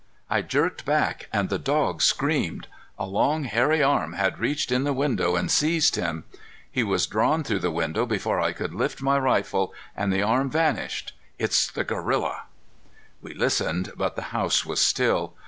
I jerked back and the dog screamed. A long, hairy arm had reached in the window and seized him. He was drawn through the window before I could lift my rifle, and the arm vanished. It's the gorilla!" We listened, but the house was still.